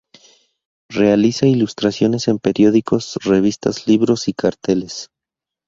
Realiza ilustraciones en periódicos, revistas, libros y carteles.